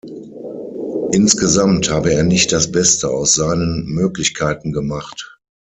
Insgesamt habe er nicht das beste aus seinen Möglichkeiten gemacht.